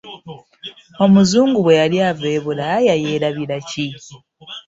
Omuzungu bwe yali ava e Bulaaya yeerabira ki?